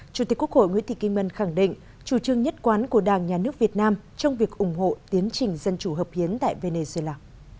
chủ tịch quốc hội nguyễn thị kim ngân khẳng định chủ trương nhất quán của đảng nhà nước việt nam trong việc ủng hộ tiến trình dân chủ hợp hiến tại venezuela